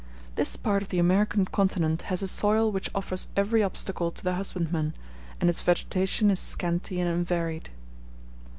This part of the American continent has a soil which offers every obstacle to the husbandman, and its vegetation is scanty and unvaried.